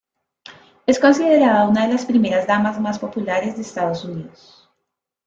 Es considerada una de las primeras damas más populares de Estados Unidos.